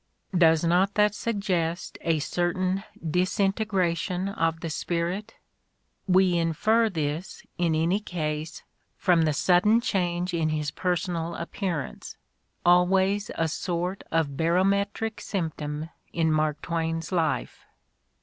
Does not that sug gest a certain disintegration of the spirit? We infer 73 74 The Ordeal of Mark Twain this, in any case, from the sudden change in his personal appearance, always a sort of barometric symptom in Mark Twain's life.